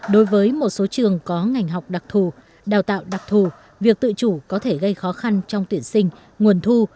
đối với một số trường có ngành học đặc thù đào tạo đặc thù việc tự chủ có thể gây khó khăn trong tuyển sinh nguồn thu